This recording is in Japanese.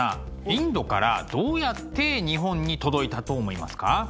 インドからどうやって日本に届いたと思いますか？